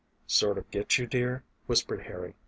"Sort of get you dear?" whispered Harry.